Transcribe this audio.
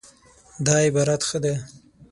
دا عبارت ښه دی